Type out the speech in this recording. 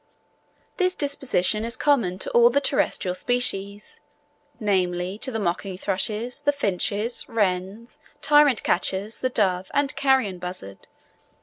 This disposition is common to all the terrestrial species; namely, to the mocking thrushes, the finches, wrens, tyrant flycatchers, the dove, and carrion buzzard.